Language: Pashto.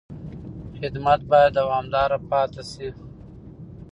خدمت باید دوامداره پاتې شي.